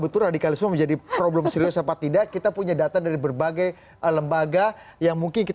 betul radikalisme menjadi problem serius apa tidak kita punya data dari berbagai lembaga yang mungkin